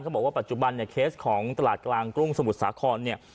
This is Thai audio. บอกว่าปัจจุบันเนี่ยเคสของตลาดกลางกรุงสมุทรสาครเนี่ย